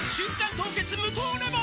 凍結無糖レモン」